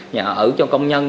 nhà ở cho công nhân